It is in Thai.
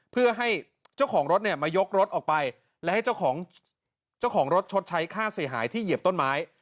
เพื่อให้เจ้าของรถเนี่ยมายกรถออกไปและให้เจ้าของเจ้าของรถชดใช้ค่าเสียหายที่เหยียบต้นไม้